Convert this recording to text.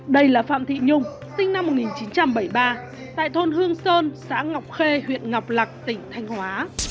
đây là phạm thị nhung sinh năm một nghìn chín trăm bảy mươi ba tại thôn hương sơn xã ngọc khê huyện ngọc lạc tỉnh thanh hóa